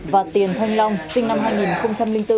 và tiền thanh long sinh năm hai nghìn bốn